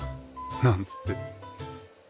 なんつって。